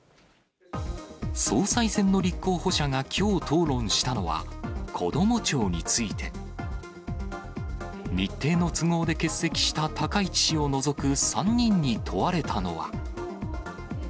総裁選の立候補者がきょう討論したのは、こども庁について。日程の都合で欠席した高市氏を除く３人に問われたのは。